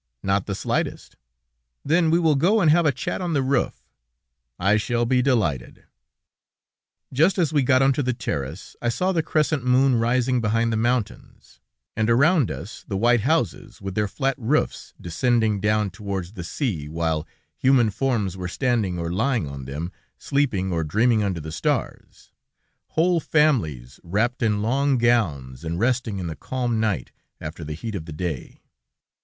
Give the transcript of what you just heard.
"Not the slightest." "Then we will go and have a chat on the roof." "I shall be delighted." Just as we got onto the terrace, I saw the crescent moon rising behind the mountains, and around us, the white houses, with their flat roofs, descending down towards the sea, while human forms were standing or lying on them, sleeping or dreaming under the stars; whole families wrapped in long gowns, and resting in the calm night, after the heat of the day.